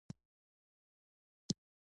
افغانستان د اقلیم د ترویج لپاره پروګرامونه لري.